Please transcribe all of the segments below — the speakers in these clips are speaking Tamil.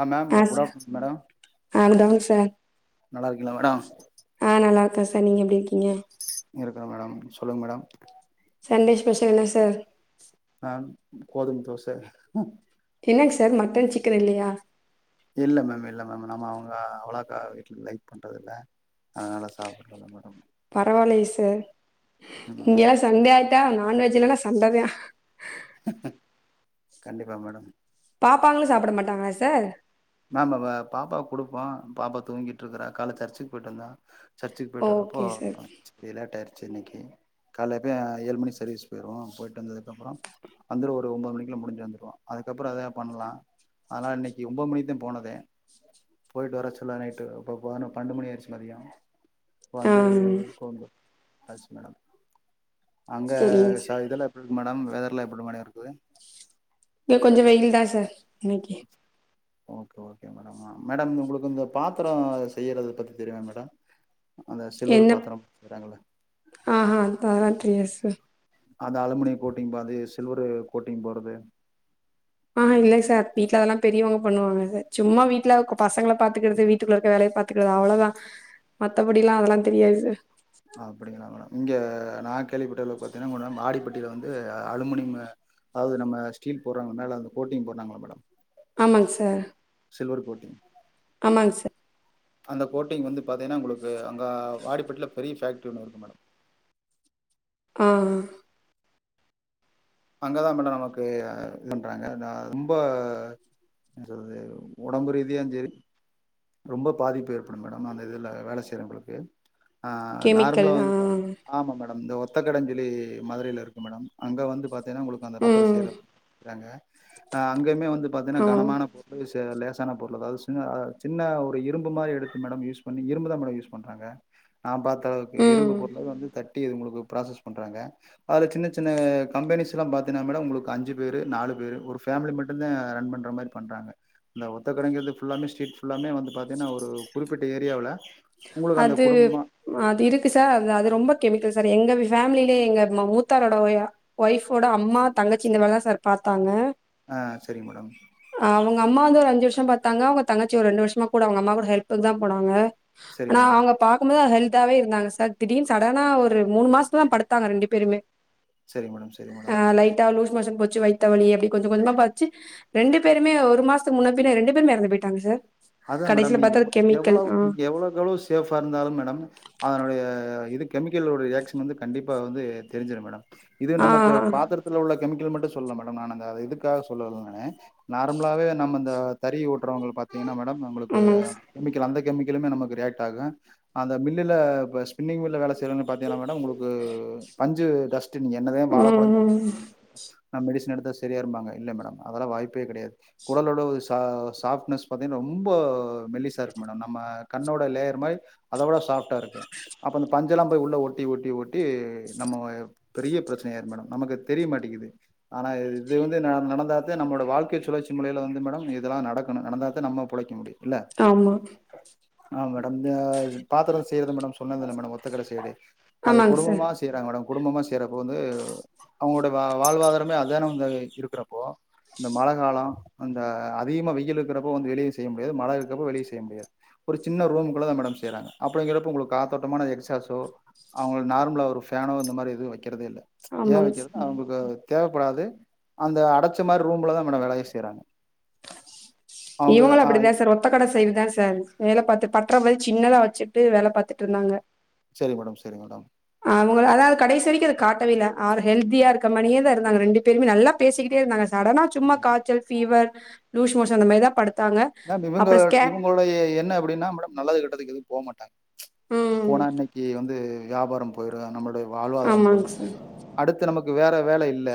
ஆ மேம் குட் ஆஃப்டர்நூன் மேடம் அதங் சார் நல்லாருக்கிங்ளா மேடம் ஆ நல்லாருக்கேன் சார் நீங்க எப்டி இருக்கீங்க இருக்கேன் மேடம் சொல்லுங்க மேடம் சண்டே ஸ்பெஷல் என்னா சார் ஆ கோதுமை தோச என்னங்கு சார் மட்டன் சிக்கன் இல்லையா இல்ல மேம் இல்ல மேம் நம்ம அவங்க அவலாக்கா வீட்ல லைக் பண்றது இல்ல அதனால சாப்பாடு வல்ல மாட்ட பரவாயில்லயே சார் ம் இங்கல்லாம் சண்டே ஆயிட்டா நான்வெஜ்லல்லாம் சண்டை தா கண்டிப்பா மேடம் பாப்பாங்களும் சாப்ட மாட்டாங்களா சார் மேம் பாப்பா கொடுப்போம் பாப்பா தூங்கிட்டு இருக்கறா கால சர்ச்சுக்கு போயிட்டு வந்தான் சர்ச்சுக்கு போயிட்டு ஓகே வரப்போ சார் வெளையாட்ட ஆயிடுச்சு இன்னைக்கு காலைல பேய் ஏழு மணி சர்வீஸ் போயிருவோம் போயிட்டு வந்ததுக்கு அப்றம் வந்துடும் ஒரு ஒம்பது மணிக்குள்ள முடிஞ்சு வந்துடும் அதுக்கப்புறம் அத பண்ணலாம் அதனால இன்னைக்கு ஒம்பது மணிக் கு தா போனதே போயிட்டு வர சொல்ல நைட்டுஅப்பும் போனோம் பன்னென்டு மணி ஆயிடுச்சு மதியம் இப்ப ஆ வந்து கொஞ் எஸ் மேடம் அங்க சரிங்க ச சார் இதுல இருக்குது மேடம் வெதர்லா எப்படி மேடம் இருக்குது இங்க கொஞ்ச வெயில் தா சார் இன்னைக்கி ஓகே ஓகே மேடம் மேடம் உங்குளுக்கு இந்த பாத்தரோ செய்யறத பத்தி தெரியுமா மேடம் அந்த சில்வர் என்ன பாத்திரம் செய்றாங்கல்ல ஆஹா அது பாத்தில்ல சார் அது அலுமினியம் கோட்டிங் பாது சில்வரு கோட்டிங் போறது ஆ ஹா இல்ல சார் வீட்ல அதெல்லா பெரியவுங்க பண்ணுவாங்க சார் சும்மா வீட்ல பசங்கள பாத்துக்கிறது வீட்டுக்குள்ள இருக்க வேலைய பார்த் துக்கிறது அவ்ளோ தா மத்தபடிலா அதெல்லா தெரியாது சார் அப்படிங்களா மேடம் இங்க நா கேள்விப்பட்டல பாத்தீனா மேடம் வாடிப்பட்டியில வந்து அலுமனியம்மு அதாவது நம்ம ஸ்டீல் போட்றாங்க மேல அந்த கோட்டிங் போட்றாங்கள மேடம் ஆமாங் சர் சில்வர் கோட்டிங் ஆமாங்க சர் அந்த கோட்டிங் வந்து பாத்தினா உங்ளுக்கு அங்க வாடிப்பட்டில பெரிய ஃபேக்ட்ரி ஒன்னு இருக்கு மேடம் ஆ அங்கதா மேடம் நமக்கு இது பன்றாங்க ரொம்போ என் சொல்து உடம்பு ரீதியா செரி ரொம்ப பாதிப்பு ஏற்படு மேடம் அந்த இதுல வேல செய்றவுங்களுக்கு ஆ கெமிக்கல் நார்மலா ஆ வந்து பா ஆமா மேடம் தோ ஒத்தக்கடன் சொல்லி மதுரையில இருக்கு மேடம் அங்க வந்து பார்த்தீனா உங்ளுக் அந்த பாத்தர செய் ம். றாங்க அங்கமே வந்து பாத்தீனா ஆமாங்க. கனமான பொ லேசா லேசான பொருள் அதாவது சின்ன சின்ன ஒரு இரும்பு மாரி எடுத்து மேடம் யூஸ் பண்ணி இரும்பு தா மேடம் யூஸ் பண்றாங்க நா பாத் த அளவுக்கு ம். இரும்பு பொருள வந்து தட்டி உங்குளுக்கு ப்ராசஸ் பண்றாங்க அதுல சின்ன சின்ன கம்பெனிஸ் லா பார்த்தீனா மேடம் உங்குளுக்கு அஞ்சு பேரு நாலு பேரு ஒரு ஃபேமிலி மட்டு தா ரன் பண்ற மாரி பண்றாங்க இந்த ஒத்தக்கடைங்கிறது ஃபுல்லாமே ஸ்ட்ரீட் ஃபுல்லாமே வந்து பாத்தீனா ஒரு குறிப்பிட்ட ஏரியாவுல உங்களுக்கு அந்த அது குடும்பமா அது இருக்கு சார் அ அது ரொம்ப கெமிக்கல் சார் எங்க ஃபேமிலே எங்க மூத்தாரோட ஒய்யா ஒய்ஃப் வோட அம்மா தங்கச்சிங்க இந்த வேல தா சார் பார்த்தாங்க ஆ செரிங் மேடம் ஆ அவுங்க அம்மா வந்து ஒரு அஞ்சு வர்ஷஷோ பாத்தாங்க அவுங்க தங்கச்சி ஒரு ரெண்டு வர்ஷமா கூட அவுங்க அம்மா கூட ஹெல்ப்புக்கு தா போனாங்க சரிங்க அனா மேடம் அவுங்க பார்க்கும் போது ஹெல்த் ஆவே இருந்தாங்க சார் திடீர்ன்னு சடனா ஒரு மூணு மாஸ்த்து தா படுத்தாங்க ரெண்டு பேருமே சரிங்க மேடம் சரிங்க ஆ மேடம் லைட்டா லூஸ் மோஷன் போச்சு வைத்தவலி அப்டி கொஞ்ச கொஞ்சமா பாச்சு ரெண்டு பேருமே ஒரு மாசத்து முன்ன பின்ன ரெண்டு பேருமே இறந்து போயிட்டாங்க சார் அதா மேடம் கடைசில நீங்க பாத்தா எவ அது கெமிக்கல். எவ்ளோ ஆ. நீங்க எவ்ளோக் எவ்ளோ சேஃப்பா இருந்தாலும் மேடம் அதனுடைய இது கெமிக்கலுடைய ரியாக்ஷன் வந்து கண்டிப்பா வந்து தெரிஞ்சிரு மேடம் இது ஆ நமக்கு பாத்திரத்துல உள்ள கெமிக்கல் மட்டு சொல்ல மேட நா இதுக்காக சொல்லல நானு நார்மலாவே நம்ம இந்த தறி ஓட்டுறவுங்க பாத் தீங்கனா மேடம் உங்களுக்கு ஆமாங்க சார் கெமிக்கல் அந்த கெமிக்கலுமே நமக்கு ரியாக்ட் ஆகு அந்த மில்லுல ஸ்பின்னிங் மில்ல வேல செய்றவுங்க பாரத்தீங்ன்னா மேடம் உங்குளுக்கு பஞ்சு டஸ்டின் என்னதா வாழ பழ ம் சாப் ம் நான மெடிசன் எடுத்த செரி ஆயிரும் பாங்க இல்ல மேடம் அதெல்லா வாய்ப்பே கெடையாது குடலோட ஒரு ச சாஃப்ட்னஸ் பாத்தீங்ன்னா ரொம்போ மெல்லிசா இருக்கு மேடம் நம்ம கண்ணோட லேயர் மாரி அத வுட சாப்ஃ டா இருக்கு அப்ப அந்த பஞ் எல்லா போய் உள்ள ஒட்டி ஒட்டி ஒட்டி நம்ம பெரிய ப்ரச்சன ஆயிரு மேடம் நமக்கு தெரிய மாட்டிக்குது ஆனா இது வந்து நடந்தாதா நம்மோட வாழ்க்கை சுழற்சி முறைல வந்து மேடம் இதெல்லா நடக்கணு நடந்தா நம்ம பொழக்க முடியு இல்ல ஆமா ஆ மேடம் பாத்திர செய்யறதா மேடம் சொன்னாதானே மேடம் ஒத்த கட சைடு ஆமாங்க சார் செய்றாங்க மேட குடும்பமா செய்யறப்போ வந்து அவுங்களுடைய வாழ்வாதாரமே அதான இருக்கிறப்போ இந்த மழ கால அந்த அதிகமா வெயில் இருக்கிறப்போ வந்து வெளிய செய்ய முடியாது மழ இருக்கிறப்போ வெளிய செய்ய முடியாது ஒரு சின்ன ரூமுக்குள்ளதா மேடம் செய்றாங்க அப்டிங்கிறப்ப உங்களுக்கு காத்தோட்டமான எக்சாஸோ அவுங்களுக்கு நார்மலா ஒரு ஃபேனோ இந்த மாரி எது வக்கிறதே இல்ல ஏ ஆமாங்க வக்கிறது சார் அவுங்களுக்கு தேவைப்படாது அந்த அடச்ச மாரி ரூம்லதா மேடம் வேலயே செய்றாங்க அவங்க இவங்களு ஆ அப்டிதா சார் ஒத்த கட செய்வதா சார் வேல பாத்து பட்ற மாரி சின்னதா வச்சுட்டு வேல பாத்துட்டு இருந்தாங்க சேரிங் மேடம் சேரிங் மேடம் அவங்க அதாது கடைசி வரைக்கு அத காட்டவே இல்ல அவர் ஹெல்தியா இருக்க மாியே தா இருந்தாங்க ரெண்டு பேருமே நல்லா பேசிக்கிட்டே இருந்தாங்க சடனா சும்மா காச்சல் ஃபீவர் லூஸ் மோஷன் அந்த மாரிதா படுத்தாங்க மேம் இவங்க அப்புறோ ஸ்கேன் இவங்களுடைய என்ன அப்டின்னா மேடம் நல்லது கெட்டதுக்கு எதும் போ மாட்டாங்க ம் போனான்னக் கி வந்து வியாபாரம் போயிரு நம்மளுடைய வாழ்வாதார ஆமாங்க போய் சார் அடுத்து நமக்கு வேற வேல இல்ல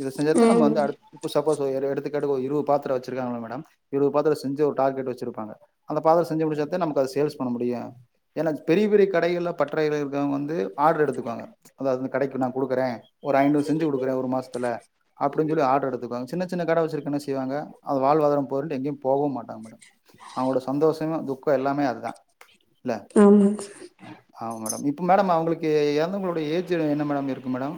இத செஞ்சத்த நம்ம ம் வந்து அடு இப்போ சப்போஸ் எடுத்துக்காட்டுக் இருவ பாத்ர வச்சிருக்காங்களா மேடம் இருவ பாத்ர செஞ்சு ஒரு டார்கெட் வச்சுருப்பங்க அந்த பாத செஞ்சு முடிச்சதா நமக்கு அத சேல்ஸ் பண்ண முடியு என்னா பெரிய பெரிய கடைகள்ல பற்றறைகள் இருக்குறவங்க வந்து ஆர்டர் எடுத்துக்குவாங்க அதா கடைக்கு நா குடுக்குறே ஒரு ஐந்நூறு செஞ்சு குடுக்குறே ஒரு மாசத்ல அப்டின்னு சொல்லி ஆடர் எடுத்துக்குவாங்க சின்ன சின்ன கட வச்சுக்க என்ன செய்வாங்க வாழ்வாதார போயிருண்டு எங்கெயு போவு ட மேட அவங்களோட சந்தோஷங்க துக்க எல்லாமே அதுதா இல்ல ஆமாங்க ஆம மேடம் இப்ப மேடம் அவங்களுக்கு எறந்தவங்களோடைய ஏஜ் என்ன மேடம் இருக்கு மேடம்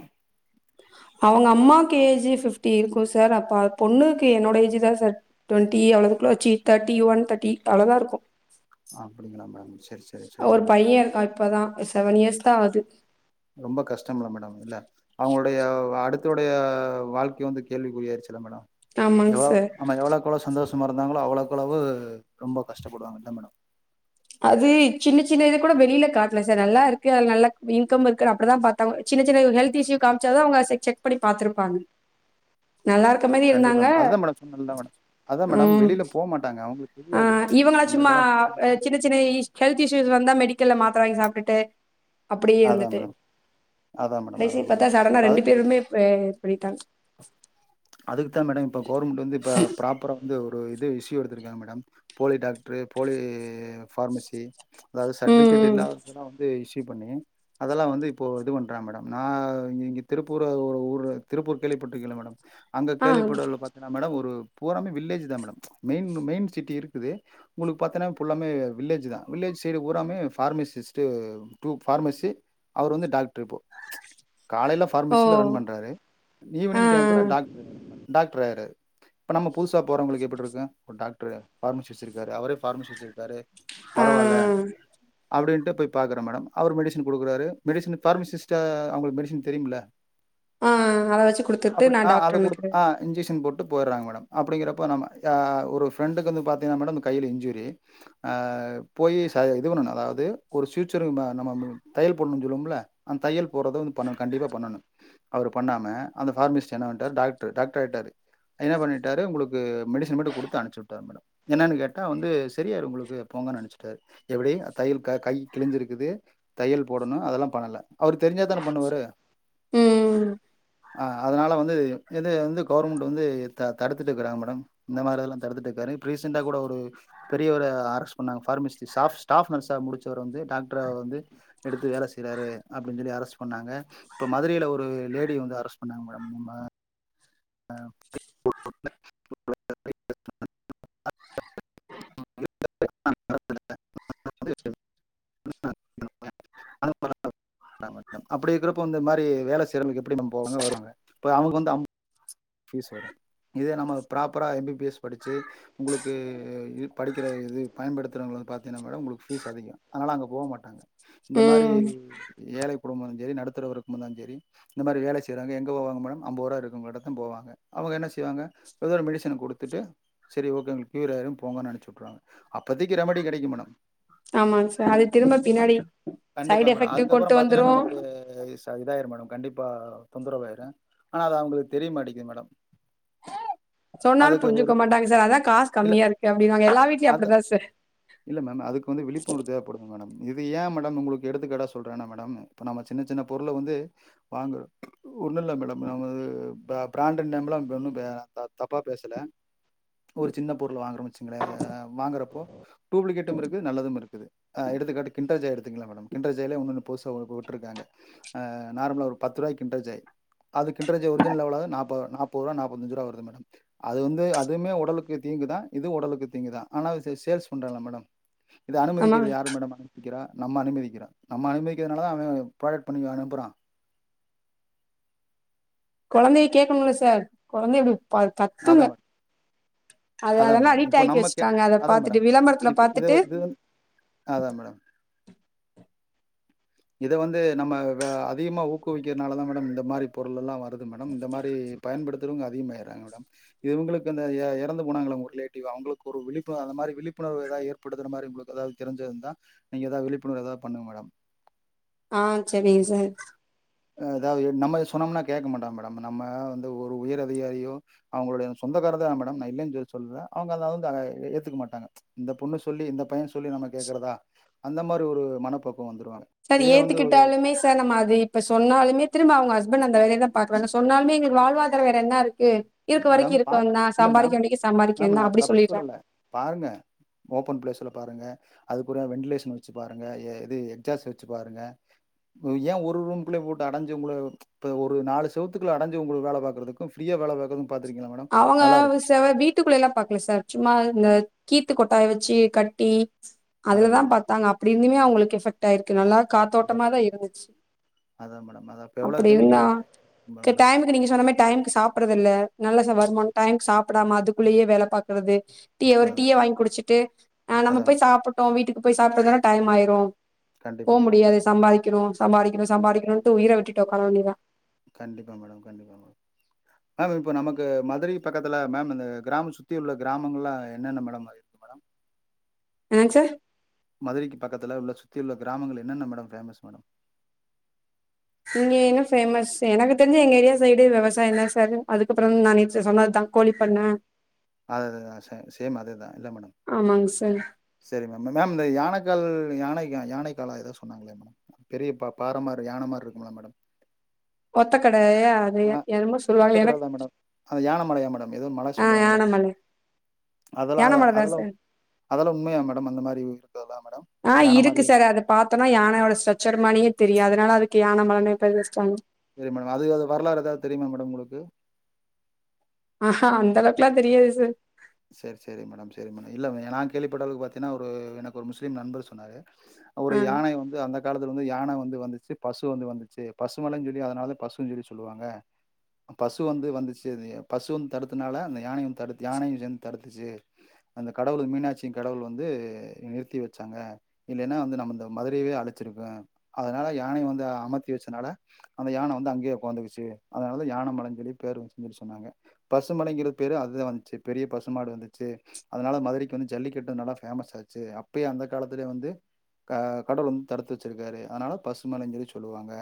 அவுங்க அம்மாக்கு ஏஜ் ஃபிப்டி இருக்கு சார் அப்ப பொண்ணுக்கு என்னோட ஏஜ்தா சார் ட்வெண்டி அவ்ளதுக்குள்ள வச்சி தேர்ட்டி ஒன் தேர்டி அவ்ளதா இருக்கு ஆ அப்டிங்களா மேடம் ச் ஒரு பைய இருக்கா இப்பதா செவன் இயர்ஸ்தா ஆவ்து ரொம்ப கஷ்டம் இல்ல மேடம் இல்ல அவுங்களுடைய அடுத்துடைய வாழ்க்கை வந்து கேள்விக்குறியாடுச்சுல மேடம் ஆமாங்க எவ்ள சார் நம்ம எவ்ளக்கெவளவு சந்தோஷமா இருந்தாங்களோ அவ்ளக்குளவு ரொம்ப கஷ்டப்படுவாங்க இல்ல மேடம் அது சின்ன சின்ன இது கூட வெளில காட்ல சார் நல்லா இருக்கு நல்லா இன்கம் இருக்குன்னு அப்டிதா பா த்தோ சின்ன சின்ன ஹெல்த் இஸூ காமிச்ச அவுங்க செக் பண்ணி பாத்திருப்பாங்க நல்லா இருக்க மாரி கண்டிப்பா இருந்தாங்க அதுதா மேடம் சொன்னா மேடம் அதா மேடம் ம் வெளில போ மாட்டாங்க அவுங்களுக்கு ஆ இவங்களா சும்மா சின்ன சின்ன இ ஹெல்த் இஸ்யூஸ் வந்தா மெடிக்கல்ல மாத்ர வாங்கி சாப்ட்டுட்டு அப்டியே அதா இருந்துட்டு மேடம் அதா மேடம் கடைசி அதா மேடம் பாத்தா சடனா ரெண்டு பேருமே பண்ணிட்டாங்க அதுக்குதா மேடம் இப்ப கவுர்மெண்ட் வந்து இப்ப ப்ராப் பரா வந்து ஒரு இது இஸ்யூ எடுத்துருக்காங்க மேடம் போலி டாக்டரு போலி ஃபார்மசி அதாது சர்ட்டிவிகேட் ம் இல்லாததெல்லா வந்து இஸ்யூ பண்ணி அதெல்லா வந்து இப்போ இது பண்றாக மேடம் நா இங்க திருப்பூரு ஊர் திருப்பூர் கேள்விப்பட்டுருக்கிங்ளா மேடம் அங்க ஆ கேள்விப்படல பத் மேடம் ஒரு பூராமே வில்லேஜ்தா மேடம் மெயின் மெயின் சிட்டி இருக்குது உங்களுக்கு பாத்தீன்னா புல்லாமே வில்லேஜ் தா வில்லேஜ் சைடு ஊராமே பார்மசிஸ்ட்டு டூ ஃபார்மசி அவர் வந்து டாக்டரு இப்போ ச் காலையில ஓ ஃபார்மசியில ரன் பண்றாரு ஆ ஈவினிங் டையத்துல டாக்டர் டாக்டர் ஆய்ராரு இப்ப நம்ம புதுசா போறவங்களுக்கு எப்டி இருக்கும் ஒரு டாக் டர் பார்மசி வெச்சிருக்கரு அவரே பார்மசி வெச்சிருக்காரு ஆ பரவாயில்ல அப்டின்ட்டு பாக்குரே மேடம் அவர் மெடிசன் கொடுக்குறாரு மெடிசன் பார்மசிஸ்டா அவங்களுக்கு மெடிசன் தெரியம்ல்லே ஆ ஆ அத வெச்சு கொடுத்துட்டு நான் ஆ அத டாக்டர் குடு ன்க்குறாறு ஆ இன்ஜெக்ஷன் போட்டு போயிடுறாங்க மேடம் அப்டிங்கிறப்போ நம்ம ஒரு ஃப்ரெண்டுக்கு வந்து பார்த்தீங்கன்னா மேடம் அந்த கையில் இன்சோரி ஆ போய் ச இது பண்ணணும் அதாவது ஒரு ஃபியூச்சருக்கு நம்ம தையல் போடணும் சொல்லும்ல அந்த தையல் போறத வந்து பண்ணணும் கண்டிப்பா பண்ணணும் அவரு பண்ணாம அந்த ஃபார்மஸ்ட் என்ன‌ பண்ணிடாரு டாக்டர் டாக்டர் ஆயிட்டாரு என்ன பண்ணிட்டாரு உங்களுக்கு மெடிசன் மட்டும் கொடுத்து அனுப்பிச்சி விட்டாரு மேடம் என்னன்னு கேட்டா வந்து செரியாரு உங்களுக்கு போங்கன்னு நினச்சிட்டரு எப்டி தையல் கை கிழிஞ்சிருக்குது தையல் போடணும் அதெல்லாம் பண்ணல அவரு தெரிஞ்சா தானே பண்ணுவாரு ம் ஆ அதனால் வந்து இத வந்து கவுவர்மெண்ட் வந்து த தடுத்துட்டு இருக்குறாங்க மேடம் இந்த மாரில்லாம் தடுத்துட்டு இருக்காரு ரீசண்டா கூட ஒரு பெரிய ஒரு அரஸ் வந்தாங்க ஃபார்மஸி ஸ்டாஃப் ஸ்டாஃப் நர்ஸா முடிச்சவர் வந்து டாக்டரா வந்து எடுத்து வேல செய்றாரு அப்டின்னு சொல்லி அரஸ்ட் பண்ணாங்க இப்ப மதுரையில ஒரு லேடி வந்து அரெஸ்ட் பண்ணாங்க மேடம் நம்ம ஆ ஆ அ [unintelligible] அப்டி இருக்கிறப்ப இந்த மாரி வேலை சேய்ரவங்க்க எப்டி நம்ம போவாங்க வருவாங்க இப்ப அவங்க வந்து பீஸ் வரும் இதே நம்ம ப்ராப்பரா எம் பி பி எஸ் படிச்சு உங்களுக்கு படிக்கிற இது பயன்படுத்துறவங்கனு பாத்தீங்கன்னா மேடம் உங்களுக்கு ஃபீஸ் அதிகம் அதனால அங்க போ மாட்டாங்க இந்த மாரி ம் ஏலை குடும்பம் செரி நடுத்தர வரு குடும்பம்த செரி இந்த மாரி வேலை செய்றங்க எங்க பொவங்க மேடம் அம்பொருவா இருக்கும் மேடம் போவாங்க அவங்க என்ன செய்வாங்க ஏதோ ஒரு மெடிசன கொடுத்துட்டு செரி ஓகே உங்களுக்கு கியூர ஆயிரும் போங்கன்னு நினைச்சி விடறாங்க அப்போதக்கு ரெமடி கிடைக்கும் மேடம் ஆமாங்க சார் அது திரும்ப பின்னாடி சைடு எஃபெக்ட கொண்டு வந்துரும் ஆய்ஸ் அது இதாயிரும் மேடம் கண்டிப்பா தொந்தரவாயிரும் ஆனா அது அவங்களுக்கு தெரியமாடிக்குது மேடம் சொன்னாலும் அதுக்கு ஒரு புரிஞ்சுக்க மாட்டங்க சார் அதான் காசு இல்ல கம்மியா இருக்கு அப்டிபாங்க எல்லா வீ்ட்லயும் அது அப்டிதான் சார் இல்ல மேம் அதுக்கு வந்து விழிப்புணர்வு தேவைப்படுதுங்க மேடம் இது ஏன் மேடம் உங்களுக்கு எடுத்துக்காட்டாக சொலிறேண்ணா மேடம் இப்போ நம்ம சின்ன சின்ன பொருளை வந்து வாங்கிறோ ஒன்னும் இல்ல மேடம் நம்ம பிராண்டட் நேம்லாம் ஒன்னு தப்பா பேசல ஒரு சின்ன பொருள் வாங்குறோம் வெச்சுங்களே வாங்குறப்போ டூப்ளிகேட்டும் இருக்குது நல்லதும் இருக்குது ஆ எடுத்துகாட்டுக்கு கிண்டர்ஜாய் எடுத்துங்கள மேடம் கிண்டர்ஜாயல ஒன்னொன்னு புதுச வுட்டுருக்காங்க நார்மலா ஒரு பத்து ரூவாய் கிண்டர்ஜாய் அது கிண்டர்ஜாய் ஒரிஜினல் எவளவு நாப்பது நாப்பருவா நாப்பத்தி அஞ்சு ருவா வருது மேடம் அது வந்து அதுவுமே உடலுக்கு தீங்குதான் இது உடலுக்கு தீங்குதான் ஆனா சேல்ஸ் பண்றலாம் மேடம் இத ஆமா அனுமதிக்கிறது யாரு மேடம் விக்கிறா நம்ம அனுமதிகிறோ நம்ம அனுமதிறதுனால தா அவன் ப்ராடக்ட் பண்ணி அனுப்புறான் குழந்தைய கேட்கணும்ல சார் குழந்தை அப்டி கத்துங்க அதான் மேடம் அது அதான் அதெல்லா மேடம். அடிட் இப்போ ஆக்கி நம்ம கே வெச்சுட்டாங்க அத அதான் பாத்துட்டு மேடம். விளம்பரத்துல பாத்துட்டு அதா மேடம் இத வந்து நம்ம வ அதிகமா ஊக்குவிக்கிறதுனாலதா மே டம் இந்த மாரி பொருள் எல்லா வருது மேடம் இந்த மாரி பயன்படுத்துறவங்க அதிகமா ஆயிட்றாங்க மேடம் இவங்களுக்கு அந்த எ எறந்து போனாங்கள ஒரு ரிலேட்டிவ் அவங்களுக்கு ஒரு விழிப்புணர் அந்த மாரி விழிப்புணர்வு ஏதா ஏர் படுதுற மாரி உங்களுக்கு எதாவ்து தெரிஞ்சு இருந்தா நீங்க ஏதா விப்புணர்வு ஏதா பண்ணுங்க மேடம் ஆ சரிங்க சா ஏதாவு நம்ம சொன்னோம்னா கேக்க மாட்டாங்க மேடம் நம்ம வந்து ஒரு உயர் அதிகாரியோ அவங்களுடைய சொந்தக்கார தா மேடம் நா இல்லலைன்னு சொல்லி சொல்லல அவங்க அத வந்து அத எ ஏத்துக்க மாட்டாங்க இந்த பொண்ணு சொல்லி இந்த பைய சொல்லி நம்ம கேக்குறதா அந்த மாரி ஒரு மணப்பக்குவோ வந்துருவாங்க சார் இதே வந்து ஒரு ஏத்துக்கிட்டாலுமே சார் நம்ம அது இப்ப சொன்னாலுமே திரும்ப அவங்க ஹஸ்பண்ட் அந்த வேலைய தா பாக்குறாங்க சொன்னாலுமே எங்களுக்கு வாழ்வாதார வேற என்ன இருக்கு இருக்க வரைக்கு மேடம் பா இருக்கனொந்தா இல்ல சம்பாதிக்க வேண்டிக்கு சம்பாதிக்க மேம் வேண்டியதுதா நான் அப்டி தப்பு சொல்லிறாங் சொல்லல. பாருங்க ஓப்பன் ப்ளேஸ்ல பாருங்க அதுக்கூட வென்ண்டிலேஷன் வெச்சு பாருங்க எது எக்ஸாஸ்ட் வெச்சு பாருங்க ஏ ஒரு ரூம்குள்ளயே போட்டு அடஞ்ச உங்கள இப்ப ஒரு நாலு செவத்துக்கள அடஞ்சு உங்கள வேல பாக்குறதுக்கு ஃப்ரீயா வேல பாக்குற பாத்துருக்கிங்ளா மேடம் அவங்க நல்லாருக்கு. செல வீ ட்டுக்குள்ள எல்லா பாக்கல சார் சும்மா இந்த கீத்து கொட்டாய வெச்சு கட்டி அதான் அதுலதா மேடம். பாத்தாங்க அப்டி இந்துமே அவங்களுக்கு எஃபெக்ட் ஆயிருக்கு நல்லா காத்தோட்டமாதா இருந்துச்சு அதா மேடம் அதா அப்ப எவ்ளோ கெமிக்கல் ம மேடம் இல்ல நீங்க சொன்ன மாரி டைமுக்கு சாப்றது இல்ல நல்லா சா அதுக்கு. வருமான் டைமுக்கு சாப்புடாம அதுக்குள்ளயே வேல பாக்குறது டீய ஒரு அதான் டீய வாங்கி குடிச்சுட்டு ஆ நம்ம அதான் போய் மேம். சாப்புட்டோ வீட்டுக்கு போய் சாப்ட்டு வந்தோனா டைம் ஆயிரு போ கண்டிப்பா மேடம். முடியாது சம்பாதிக்கணு சம்பாதிக்கணு சம்பாதிக்கணுன்ட்டு உயிர விட்டுட் உக்கார வேண்டியதா கண்டிப்பா மேடம் கண்டிப்பா மேடம் மேம் இப்ப நமக்கு மதுரை பக்கத்துல மேம் இந்த கிராம சுத்தி உள்ள கிராமங்கள்லா என்னென்ன மேடம் அது என்னங்க சார் மதுரைக்கு பக்கத்துல உள்ள சுத்தியுள்ள கிராமங்கள் என்னென்ன மேடம் ஃபேமஸ் மேடம் இங்க என்ன ஃபேமஸ் எனக்கு தெரிஞ்ச எங்க ஏரியா சைடு வெவசாய தா சார் அதுக்கப்புறோ நானு ச சொன்னதுதா கோழி பண்ண அதுதா ச சேம் அதுதா இல்ல மேடம் ஆமாங்க சார் சரி மேம் மேம் யானைக்கால் யானை கா யானை காலா ஏதோ சொன்னாங்களே மேடம் பெரிய பா பாற மாரி யான மாிர இருக்கும்ல மேடம் ஒத்த கடைா ஆயா ஆ ஒத்தக்கட தா மேடம் அ யான மலைமா மேடம் ஏதோ ஒன்னு மல ஆ சொல்லுவாங்களே யானமலை அதெல்லா யானமலைதா அதெல்லா சார் அதெல்லா உண்மையா மேடம் அந்த மாரி இருக்கதெல்லா மேடம் ஆ யான மாரி இருக்கு சார் அதை பாத்தோனா யானையோட ஸ்ட்ரச்சர் மாரியே தெரியு அதனால அதுக்கு யான மலனே பேர் வெச்டாங்க சரி மேடம் அது அது வரலாறு ஏதா தெரியுமா மேடம் உங்களுக்கு ஆஹா அந்த அளவுக்குல்லா தெரியாது சார் சரி சரி மேடம் சரி மேடம் இல்ல நா கேள்விப்பட்டது பாத்தீங்ன்னா ஒரு எனக்கு ஒரு முஸ்லீம் நண்பர் சொன்னாரு ஒரு ஆ யானை வந்து அந்த காலத்துல வந்து யான வந்து வந்துச்சு பசு வந்து வந்துச்சு பசு மலன் சொல்லி அதனால பசுன் சொல்லி சொல்லுவாங்க பசு வந்து வந்துச்சு பசு வந் தடுத்தனால அந்த யானையு வ தடுத்து யானையு சேந்து தடுத்துச்சு அந்த கடவுளு மீனாட்சியி கடவுள் வந்து நிறுத்தி வெச்சாங்க இல்லைன்னா வந்து நம்ம அந்த மதுரையவே அழிச்சிருக்கு அதனால யானை வந்து அமத்தி வச்சனால அந்த யானவந்து அங்கே ஒக்காந்துகிச்சு அதனால யான மலைன் சொல்லி பேரு வந்துச்சு சொன்னாங்க பசுமலைங்கிற பேரு அதுதீ வந்துச்சு பெரியபஸ் தும்மாடு வந்துச்சு அதுனால மதுரைக்கு வந்து ஜல்லிக்கட்டு நல்லா பேமஸ் ஆச்சு அப்பயே அந்த காலத்துலே வந்து அ கடவுள் வந்து தடுத்து வச்சுருக்காரு ஆனாலு பசுமலைஞ் சொி சொல்லுவாங்க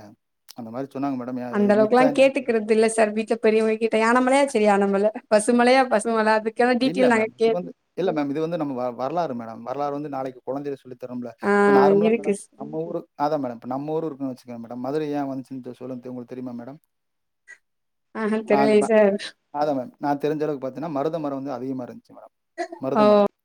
அந்த மாதிரி சொன்னாங்க மட் அந்த அளவுக்குலா கேட்டுக்கிறது இல்ல சார் வீட்லப் பெரியவுங்க கிட்ட யானைமலையா செரி மல பசுமலையா பசுமல அது இல்ல மேம் இ வந்து இல்ல மேம் இது வந்து நம்ம வ வர்லாறு மேடம் வரலாறு வந்து நாளைக்கு கொழந்தைல சொல்லி தரம்ல ஆ இப்ப நார்மலா மேடம் இருக்கு நம்ம ஊரு அதா மேடம் இப்ப நம்ம ஊரு இருக்குன் வச்சுக்கேங்க மதுரை ஏ வந்துச்சுன் சொ சொல்லுங் உங்களுக்கு தெரியுமா மேடம் அஹ தெரியிலே சர் அதா மேம் நா தெரிஞ்சளவுக்கு பாத்தீன்னா மருதமரொ வந்து அதிகமா இருந்த்ச்சு மேடம் மருத மரம். ஓ